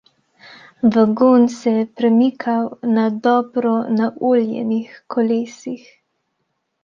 Vagon se je premikal na dobro naoljenih kolesih.